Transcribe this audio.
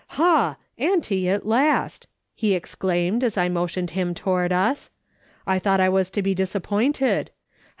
" Ha ! auntie at last," he exclaimed, as I motioned him toward us. " I thought I was to be disappointed.